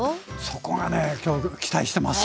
そこがね今日期待してます。